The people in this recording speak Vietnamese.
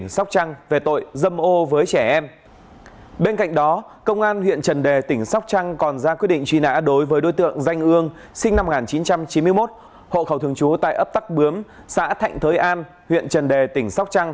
sinh năm một nghìn chín trăm chín mươi một hộ khẩu thường chú tại ấp tắc bướm xã thạnh thới an huyện trần đề tỉnh sóc trăng